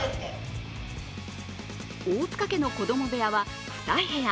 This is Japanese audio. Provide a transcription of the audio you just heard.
大塚家の子供部屋は２部屋。